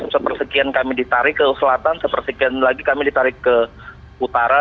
sepersekian kami ditarik ke selatan sepersekian lagi kami ditarik ke utara